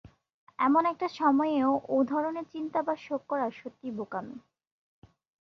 এমন একটা সময়ে ও ধরনের চিন্তা বা শোক করা সত্যিই বোকামি।